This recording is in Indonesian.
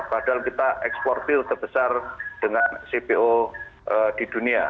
padahal kita ekspor pil terbesar dengan cpo di dunia